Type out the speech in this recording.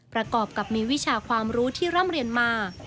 ประกอบกับมีวิชาความรู้ที่ร่ำเรียนมา